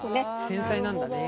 繊細なんだね。